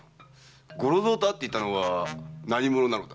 五六蔵と会っていたのは何者なのだ？